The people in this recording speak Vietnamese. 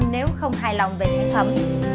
nếu không hài lòng về sản phẩm